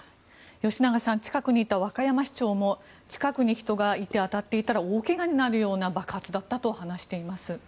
吉永さん、近くにいた和歌山市長も近くに人がいて当たっていたら大怪我になるような爆発だったと話しています。